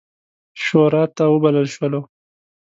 شوراته وبلل شولو.